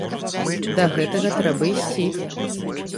Да гэтага трэба ісці.